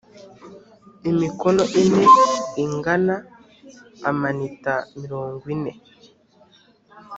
imikono ine ingana amanita mirongwine.